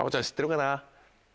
知ってるかな？